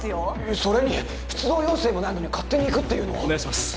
それに出動要請もないのに勝手に行くっていうのはお願いします